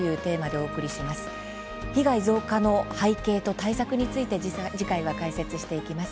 被害増加の背景と対策について次回は解説していきます。